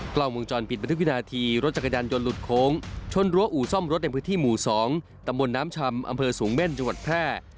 กล้องวงจรปิดบันทึกวินาทีรถจักรยานยนต์หลุดโค้งชนรั้วอู่ซ่อมรถในพื้นที่หมู่๒ตำบลน้ำชำอำเภอสูงเม่นจังหวัดแพร่